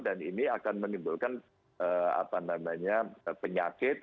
dan ini akan menimbulkan penyakit